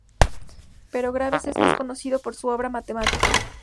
Pero Graves es más conocido por su obra matemática.